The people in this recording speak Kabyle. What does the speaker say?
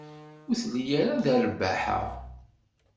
Ur telli ara d rrbaḥa.